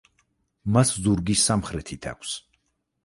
მას ზურგი სამხრეთით აქვს.